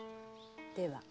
では。